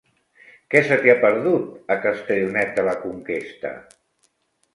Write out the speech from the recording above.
Què se t'hi ha perdut, a Castellonet de la Conquesta?